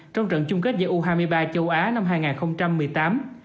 trong trận chung kết giữa u hai mươi ba châu á năm hai nghìn một mươi tám